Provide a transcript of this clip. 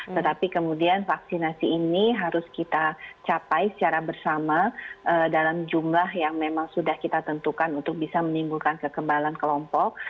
tetapi kemudian vaksinasi ini harus kita capai secara bersama dalam jumlah yang memang sudah kita tentukan untuk bisa menimbulkan kekebalan kelompok